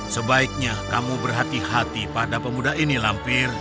sebaiknya kamu berhati hati pada pemuda ini lampir